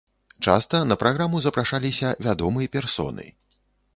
Часта на праграму запрашаліся вядомы персоны.